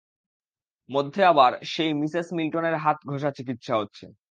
মধ্যে আবার সেই মিসেস মিল্টনের হাতঘষা চিকিৎসা হচ্ছে।